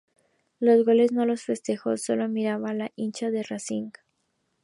Los goles no los festejó, solo miraba a la hinchada de Racing.